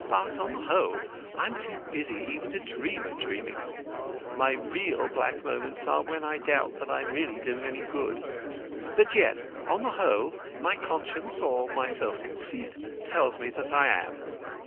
But, on the whole, I am too busy even to dream of dreaming. My real black moments are when I doubt if I am really doing any good. But yet on the whole my conscience or my self conceit tells me that I am.